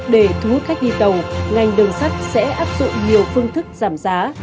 để thú khách đi tàu ngành đường sắt sẽ áp dụng nhiều phương thức giảm giá